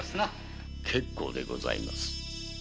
結構でございます。